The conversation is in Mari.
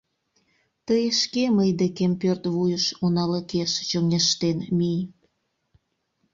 Тый шке мый декем пӧрт вуйыш уналыкеш чоҥештен мий...